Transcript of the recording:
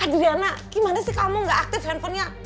adriana gimana sih kamu gak aktif handphonenya